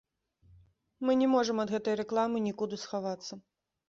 Мы не можам ад гэтай рэкламы нікуды схавацца.